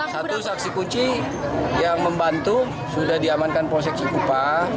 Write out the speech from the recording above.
satu saksi kunci yang membantu sudah diamankan proses ikupa